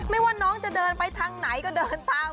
ว่าน้องจะเดินไปทางไหนก็เดินทาง